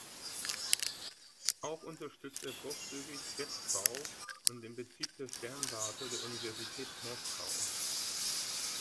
Auch unterstützte er großzügig deb Bau und den Betrieb der Sternwarte der Universität Moskau.